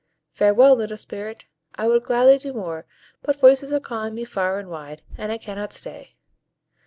Farewell, little Spirit! I would gladly do more, but voices are calling me far and wide, and I cannot stay."